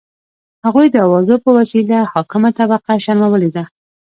هغوی د اوازو په وسیله حاکمه طبقه شرمولي ده.